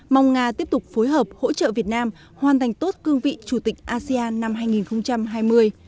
mong nga tiếp tục phối hợp hỗ trợ việt nam hoàn thành tốt cương vị chủ tịch asean năm hai nghìn hai mươi